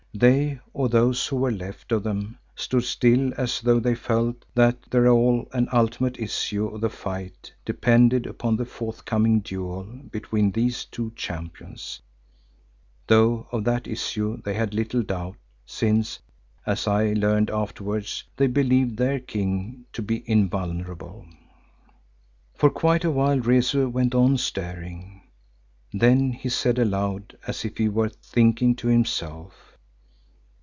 They, or whose who were left of them, stood still as though they felt that the real and ultimate issue of the fight depended upon the forthcoming duel between these two champions, though of that issue they had little doubt since, as I learned afterwards, they believed their king to be invulnerable. For quite a while Rezu went on staring. Then he said aloud as if he were thinking to himself.